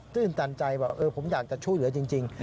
ตื่นตันใจว่าผมอยากจะช่วยเหลือจริง